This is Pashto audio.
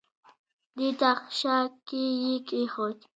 دې تاخچه کې یې کېښود.